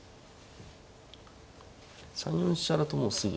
３四飛車だともうすぐ。